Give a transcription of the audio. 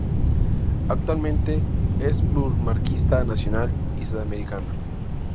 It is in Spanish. Actualmente es plusmarquista nacional y sudamericana.